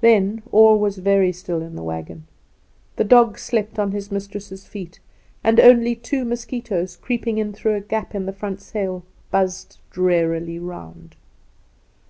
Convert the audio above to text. Then all was very still in the wagon. The dog slept on his mistress' feet, and only two mosquitoes, creeping in through a gap in the front sail, buzzed drearily round.